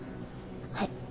はい。